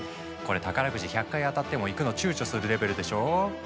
これ、宝くじ１００回当たっても行くのちゅうちょするレベルでしょう。